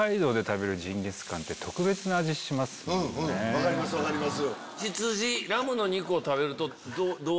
分かります分かります。